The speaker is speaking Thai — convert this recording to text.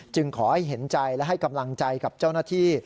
ขอให้เห็นใจและให้กำลังใจกับเจ้าหน้าที่